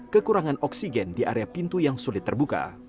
kekurangan oksigen di area pintu yang sulit terbuka